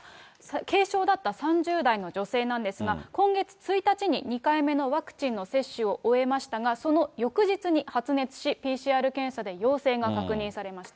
軽症だった３０代の女性なんですが、今月１日に２回目のワクチンの接種を終えましたが、その翌日に発熱し、ＰＣＲ検査で陽性が確認されました。